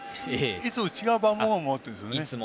いつも違う番号が守っているんですよね。